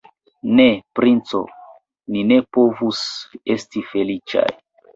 Ne, princo, ni ne povus esti feliĉaj.